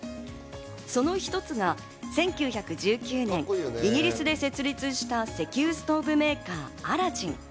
その一つが１９１９年イギリスで設立した石油ストーブメーカー、アラジン。